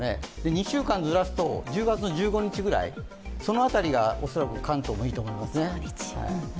２週間ずらすと１０月１５日ぐらい、その辺りが関東もいいと思いますね。